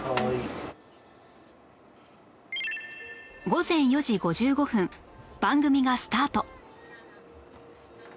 午前４時５５分番組がスタート